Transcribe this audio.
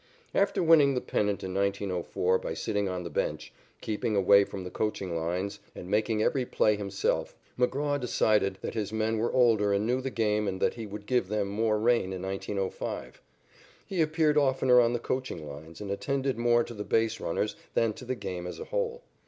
After winning the pennant in 1904 by sitting on the bench, keeping away from the coaching lines, and making every play himself, McGraw decided that his men were older and knew the game and that he would give them more rein in 1905. He appeared oftener on the coaching lines and attended more to the base runners than to the game as a whole.